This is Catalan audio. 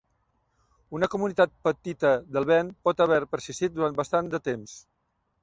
Una comunitat petita d'Elven pot haver persistit durant bastant de temps.